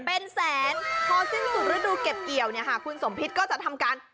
พอสิ้นสุดฤดูเก็บเกี่ยวเนี่ยคุณสมพิษก็จะทำการ